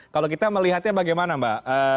kalau kita melihatnya bagaimana mbak